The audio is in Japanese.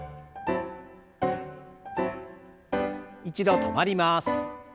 一度止まります。